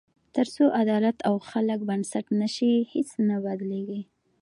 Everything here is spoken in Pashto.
تر څو عدالت او خلک بنسټ نه شي، هیڅ نه بدلېږي.